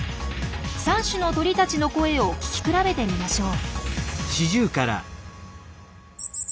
３種の鳥たちの声を聞き比べてみましょう。